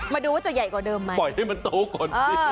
มาดูว่าจะใหญ่กว่าเดิมไหมปล่อยให้มันโตก่อน